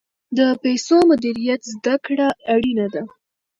د پیسو مدیریت زده کړه اړینه ده.